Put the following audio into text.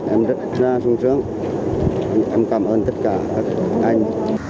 em rất xung sướng em cảm ơn tất cả các anh